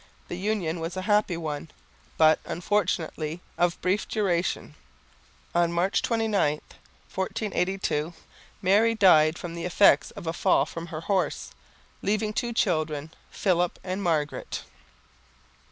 The union was a happy one, but, unfortunately, of brief duration. On March 29, 1482, Mary died from the effects of a fall from her horse, leaving two children, Philip and Margaret.